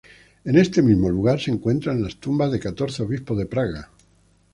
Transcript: En este mismo lugar se encuentran las tumbas de catorce obispos de Praga.